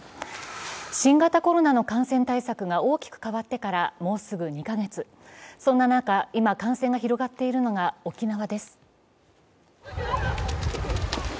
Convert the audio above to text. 新型コロナの感染対策が大きく変わってからもうすぐ２か月そんな中、今、感染が広がっているのが沖縄です。